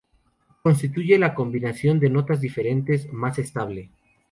Constituye la combinación de notas diferentes más estable.